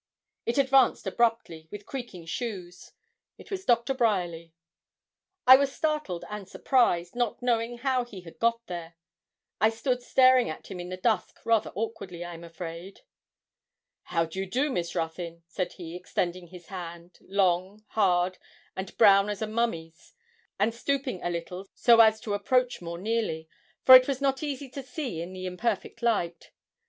It advanced abruptly, with creaking shoes; it was Doctor Bryerly. I was startled and surprised, not knowing how he had got there. I stood staring at him in the dusk rather awkwardly, I am afraid. 'How do you do, Miss Ruthyn?' said he, extending his hand, long, hard, and brown as a mummy's, and stooping a little so as to approach more nearly, for it was not easy to see in the imperfect light.